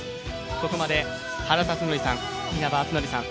ここまで原辰徳さん、稲葉篤紀さん